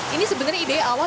ini sebenarnya ide awal